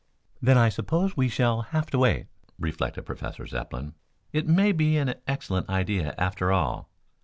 "Then I suppose we shall have to wait," reflected Professor Zepplin. "It may be an excellent idea after all.